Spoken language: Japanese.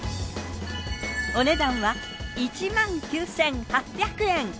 お値段は１９，８００円。